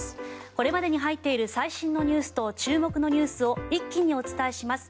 これまでに入っている最新のニュースと注目のニュースを一気にお伝えします。